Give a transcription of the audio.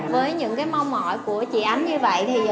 với những mong ngợi của chị anh như vậy